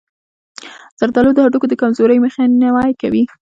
زردآلو د هډوکو د کمزورۍ مخنیوی کوي.